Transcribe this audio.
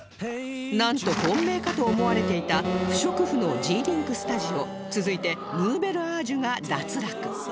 なんと本命かと思われていた不織布のジーリンクスタジオ続いてヌーベルアージュが脱落